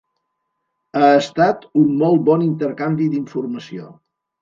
Ha estat un molt bon intercanvi d'informació.